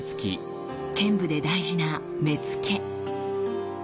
剣舞で大事な「目付」。